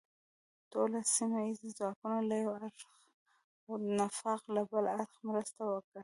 ټول سیمه ییز ځواکونه له یو اړخه او نفاق له بل اړخه مرسته وکړه.